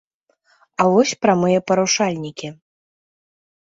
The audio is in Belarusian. А вось прамыя парушальнікі.